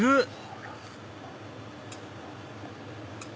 ほら。